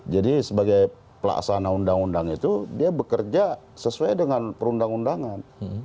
jadi sebagai pelaksana undang undang itu dia bekerja sesuai dengan perundang undangan